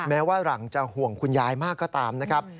แม้ว่าหลังจะห่วงคุณยายมากก็ตามนะครับ